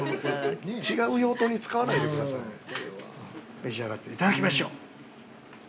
◆召し上がっていただきましょう。